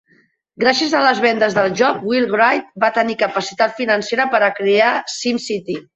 Gràcies a les vendes del joc, Will Wright va tenir capacitat financera per a crear SimCity.